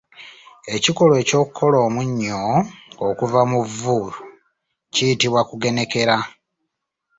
Ekikolwa eky’okukola omunnyo okuva mu vvu kiyitibwa kugenekera.